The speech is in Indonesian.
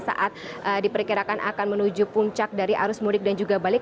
saat diperkirakan akan menuju puncak dari arus mudik dan juga balik